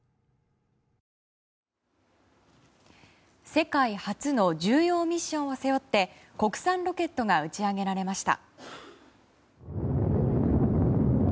世界初の重要ミッションを背負って国産ロケットが打ち上げられました。